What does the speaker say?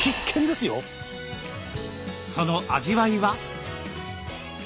その味わいは？